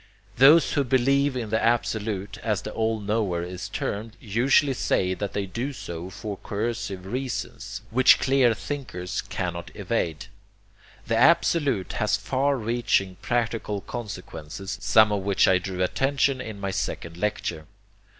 Those who believe in the Absolute, as the all knower is termed, usually say that they do so for coercive reasons, which clear thinkers cannot evade. The Absolute has far reaching practical consequences, some of which I drew attention in my second lecture.